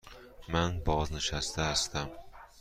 من بازنشسته هستم.